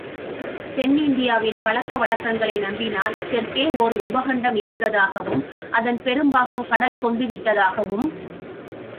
தென்னிந்தியாவின் பழக்க வழக்கங்களை நம்பினால் தெற்கே ஓர் உபகண்டமிருந்ததாகவும், அதன் பெரும் பாகத்தைக் கடல் கொண்டுவிட்டதாகவும்.